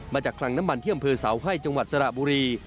มาจากคลังน้ำมันเที่ยมเภอเสาให้จังหวัดสระบุรี